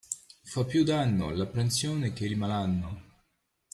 Fa più danno l'apprensione che il malanno.